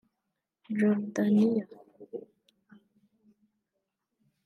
Jordania